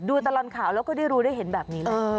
ตลอดข่าวแล้วก็ได้รู้ได้เห็นแบบนี้เลย